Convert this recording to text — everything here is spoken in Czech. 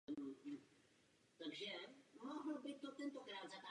Dříve do tohoto rodu patřily téměř všechny nebezpečné druhy této čeledi.